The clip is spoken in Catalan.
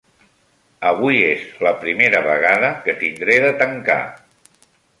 Avui és la primera vegada que tindré de tancar